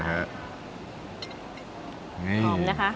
หอมนะคะ